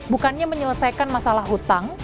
bukannya menyelesaikan masalah utang